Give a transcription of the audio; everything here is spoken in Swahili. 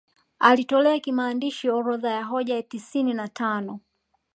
Alitolea kimaandishi orodha ya hoja tisini na tano